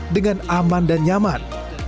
dengan aman dan nyaman